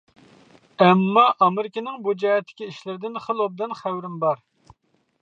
ئەمما، ئامېرىكىنىڭ بۇ جەھەتتىكى ئىشلىرىدىن خېلى ئوبدان خەۋىرىم بار.